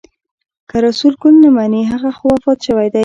که رسول ګل نه مني هغه خو وفات شوی دی.